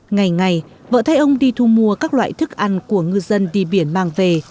ngày ngày vợ thay ông đi thu mua các loại thức ăn của ngư dân đi biển mang về